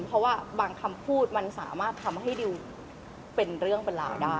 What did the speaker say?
เพราะว่าบางคำพูดมันสามารถทำให้ดิวเป็นเรื่องเป็นราวได้